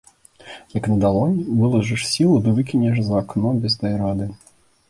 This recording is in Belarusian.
Як на далонь, вылажыш сілу ды выкінеш за акно без дай рады.